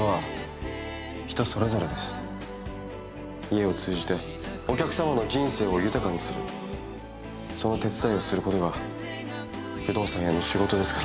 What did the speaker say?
家を通じてお客様の人生を豊かにするその手伝いをすることが不動産屋の仕事ですから。